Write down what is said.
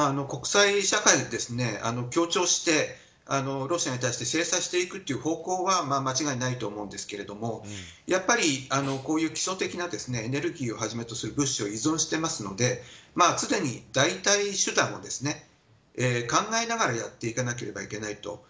国際社会で強調してロシアに対して制裁していくという方向は間違いないと思うんですがやっぱり、こういう基礎的なエネルギーをはじめとする物資を依存しているので常に代替手段を考えながらやっていかなければいけないと。